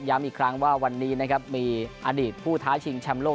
ย้ำอีกครั้งว่าวันนี้มีอดีตผู้ท้าชิงชำโลก